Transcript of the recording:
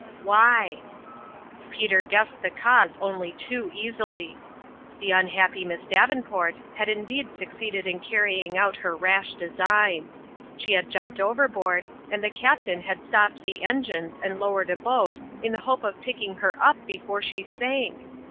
Why f Peter guessed the cause only too easily : the unhappy Miss Davenport had indeed suc ceeded in carrying out her rash design. She in l)is own oin. 147 had jumped overboard, and the captain had stopped the engines and lowered a boat in the hope of picking her up before she sank